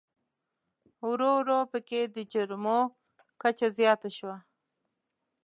ورو ورو په کې د جرمومو کچه زیاته شوه.